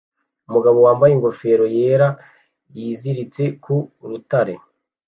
Umugabo wambaye ingofero yera yiziritse ku rutare